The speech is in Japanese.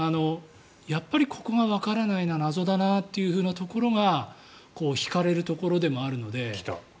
やっぱり、ここがわからないな謎だなというところが引かれるところでもあるので。